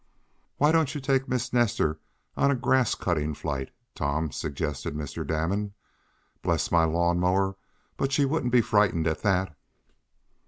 "Why don't you take Miss Nestor on a grass cutting flight, Tom?" suggested Mr. Damon. "Bless my lawn mower! but she wouldn't be frightened at that."